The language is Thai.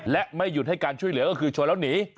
และไม่หยุดให้การช่วยเหลือก็คือชนแล้วหนี